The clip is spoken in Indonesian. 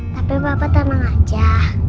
tapi papa tenang aja